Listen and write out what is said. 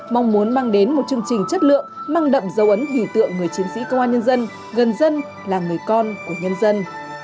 mong muốn mang đến một chương trình chất lượng mang đậm dấu ấn hình tượng người chiến sĩ công an nhân dân gần dân là người con của nhân dân